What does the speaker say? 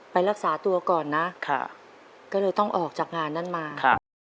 ไปรักษาตัวก่อนนะต้องออกจากงานนั้นมาค่ะ